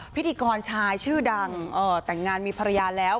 พิธีกรชายชื่อดังแต่งงานมีภรรยาแล้ว